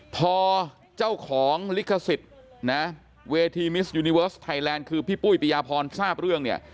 พอเจ้าของลิขสิทธิ์นะเวทีมิสยูนิเวิร์สไทยแลนด์คือพี่ปุ้ยปิยาพรทราบเรื่องเนี่ย